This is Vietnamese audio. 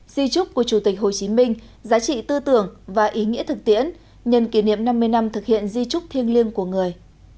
di trúc của chủ tịch hồ chí minh giá trị tư tưởng và ý nghĩa thực tiễn nhân kỷ niệm năm mươi năm thực hiện di trúc thiêng liêng của người